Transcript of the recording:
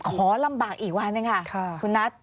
ขอลำบากอีกวันหนึ่งค่ะคุณนัท